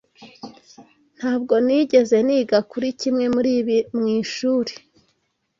Ntabwo nigeze niga kuri kimwe muribi mwishuri.